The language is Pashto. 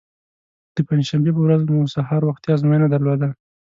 د پنجشنبې په ورځ مو سهار وختي ازموینه درلوده.